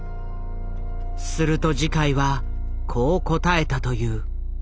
すると慈海はこう答えたという。